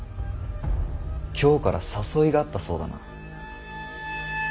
京から誘いがあったそうだな。